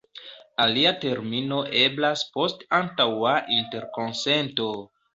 Alia termino eblas post antaŭa interkonsento.